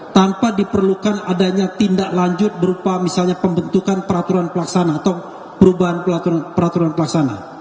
tanpa diperlukan adanya tindak lanjut berupa misalnya pembentukan peraturan pelaksana atau perubahan peraturan pelaksana